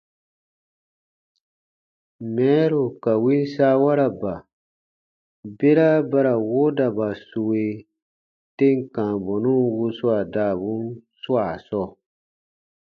Mɛɛru ka win saawaraba, bera ba ra woodaba sue tem kãa bɔnun wuswaa daabun swaa sɔɔ.